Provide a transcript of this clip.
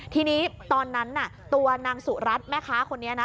ทีนี้ตอนนั้นน่ะตัวนางสุรัตน์แม่ค้าคนนี้นะ